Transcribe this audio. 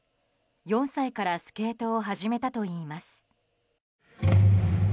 ４歳からスケートを始めたといいます。